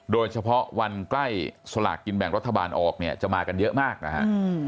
โดยเฉพาะวันใกล้สลากกินแบ่งรัฐบาลออกเนี่ยจะมากันเยอะมากนะฮะ